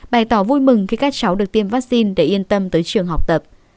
bày tỏ vui mừng khi các cháu được tiêm vaccine để yên tâm tới trường học tập